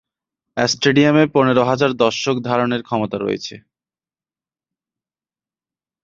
স্টেডিয়ামে পনের হাজার দর্শক ধারণের ক্ষমতা রয়েছে।